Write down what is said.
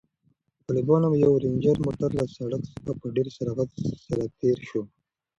د طالبانو یو رنجر موټر له سړک څخه په ډېر سرعت سره تېر شو.